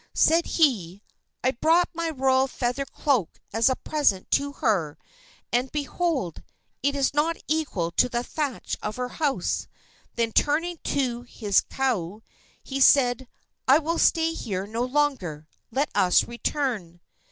Said he: "I brought my royal feather cloak as a present to her, and behold! it is not equal to the thatch of her house!" Then turning to his kahu, he said: "I will stay here no longer. Let us return."